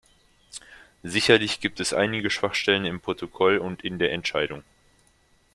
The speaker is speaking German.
Sicherlich gibt es einige Schwachstellen im Protokoll und in der Entscheidung.